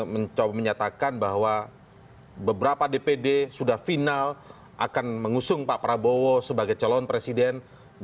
mencoba menyatakan bahwa beberapa dpd sudah final akan mengusung pak prabowo sebagai calon presiden